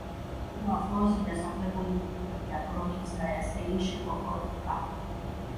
უახლოესი დასახლებული პუნქტებია: კრომინსკაია, სელიშე, პოგორელკა.